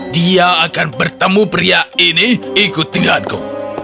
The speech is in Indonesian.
dia akan bertemu pria ini ikut denganku